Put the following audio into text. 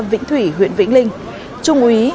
vĩnh thủy huyện vĩnh linh trung úy